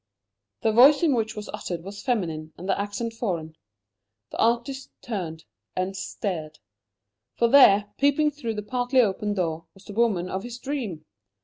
The voice in which it was uttered was feminine, and the accent foreign. The artist turned and stared. For there, peeping through the partly open door, was the woman of his dream!